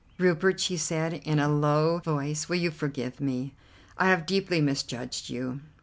"Rupert," she said in a low voice, "will you forgive me? I have deeply misjudged you."